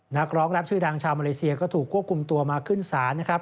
นักร้องแรปชื่อดังชาวมาเลเซียก็ถูกควบคุมตัวมาขึ้นศาลนะครับ